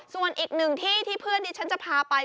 ส่วนอีกหนึ่งที่ที่เพื่อนที่ฉันจะพาไป